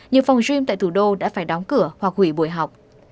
nhưng phòng gym tại thủ đô đã phải đóng cửa hoặc hủy buổi học